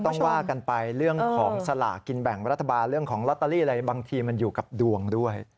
ว่ากันไปเรื่องของสลากกินแบ่งรัฐบาลเรื่องของลอตเตอรี่อะไรบางทีมันอยู่กับดวงด้วย